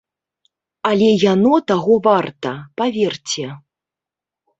Але яно таго варта, паверце.